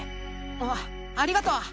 あありがとう。